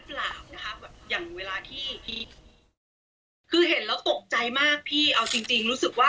คือเห็นแล้วตกใจมากพี่เอาจริงรู้สึกว่า